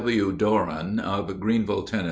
W. Doran of Greeneville, Tenn.